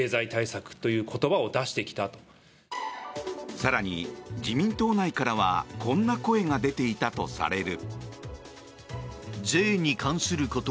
更に、自民党内からはこんな声が出ていたとされる。